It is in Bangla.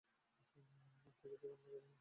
আত্মা কিছুই কামনা করেন না।